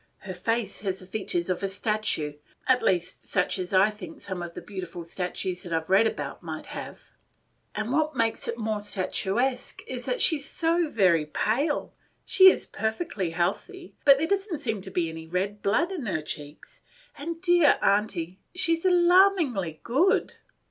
Her face has the features of a statue, at least such as I think some of the beautiful statues that I 've read about might have; and what makes it more statuesque is, that she 's so very pale; she is perfectly healthy, but there does n't seem to be any red blood in her cheeks; and, dear Aunty, she is alarmingly good.